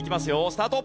スタート。